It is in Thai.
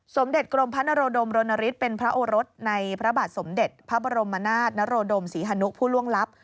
สมเด็จกรมพระนโรดมรณฤทธิ์เป็นพระโอรสในพระบาทสมเด็จพระบรมนาศนโรดมศรีฮนุผู้ล่วงลับ